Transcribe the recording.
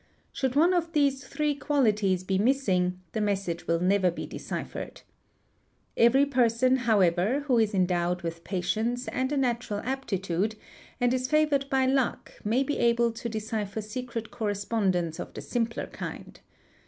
Should one of these three qualities be missing, the Inessage will never be deciphered. Every person however who is endowed _ with patience and a natural aptitude and is favoured by luck may be able to decipher secret correspondence of the simpler kind.